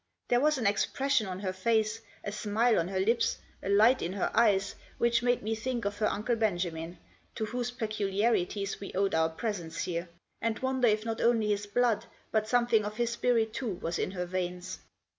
There was an expression on her face, a smile on her lips, a light in her eyes, which made me think of her Uncle Benjamin, to whose peculiarities we owed our presence there, and wonder if not only his blood, but something of his spirit too, was in her veins.